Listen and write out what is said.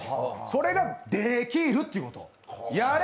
それができるってこと。